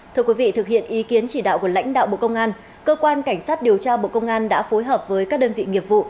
thưa quý vị thực hiện ý kiến chỉ đạo của lãnh đạo bộ công an cơ quan cảnh sát điều tra bộ công an đã phối hợp với các đơn vị nghiệp vụ